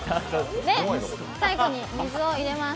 最後に水を入れます。